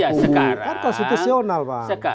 yang ingin untuk meng poll anime ini ya